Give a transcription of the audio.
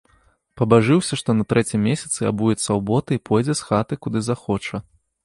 Пабажыўся, што на трэцім месяцы абуецца ў боты і пойдзе з хаты, куды захоча.